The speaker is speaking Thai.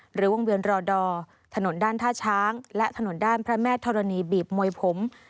วงเวียนรอดอร์ถนนด้านท่าช้างและถนนด้านพระแม่ธรณีบีบมวยผม